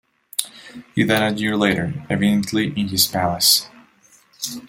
He died a year later, evidently in his palace.